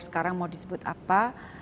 sekarang mau disebut apa